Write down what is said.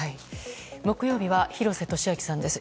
木曜日は廣瀬俊朗さんです。